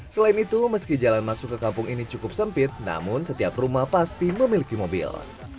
selain itu meski jalan masuk ke kampung ini cukup sempit namun setiap rumah pasti memiliki mobil